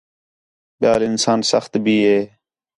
ٻِیال اَنسان سخت بھی ہے